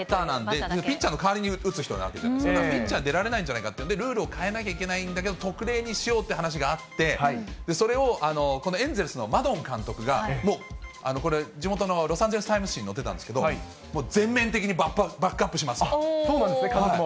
ピッチャーの代わりに打つ人になるので、だからピッチャーで出られないんじゃないかということで、ルールを変えなきゃいけないんだけど、特例にしようっていう話があって、それを、このエンゼルスのマドン監督が、もうこれ、地元のロサンゼルスタイムズ紙に載ってたんですけど、もう全面的そうなんですね、監督も。